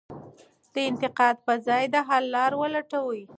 د انتقاد په ځای د حل لار ولټوئ.